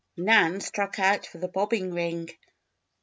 Nan struck out for the bobbing ring.